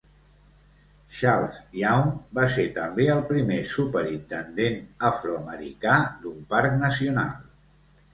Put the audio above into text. Charles Young va ser també el primer superintendent afroamericà d'un parc nacional.